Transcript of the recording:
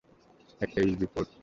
একটা USB port.